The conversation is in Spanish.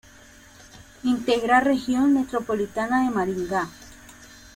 Integra a Región Metropolitana de Maringá.